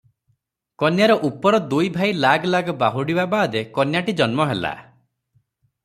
କନ୍ୟାର ଉପର ଦୁଇ ଭାଇ ଲାଗ ଲାଗ ବାହୁଡ଼ିବା ବାଦେ କନ୍ୟାଟି ଜନ୍ମ ହେଲା ।